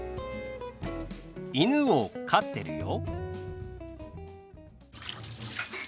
「犬を飼ってるよ」。